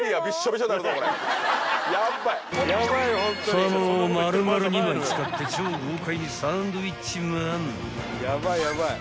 ［サーモンを丸々２枚使って超豪快にサンドウィッチマン］